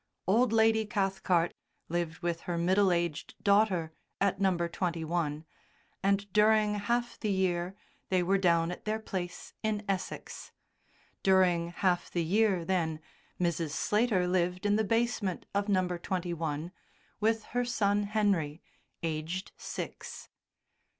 Old Lady Cathcart lived with her middle aged daughter at No. 21, and, during half the year, they were down at their place in Essex; during half the year, then, Mrs. Slater lived in the basement of No. 21 with her son Henry, aged six.